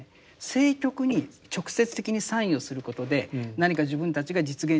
政局に直接的に参与することで何か自分たちが実現